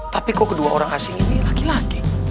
tapi kok kedua orang asing ini laki laki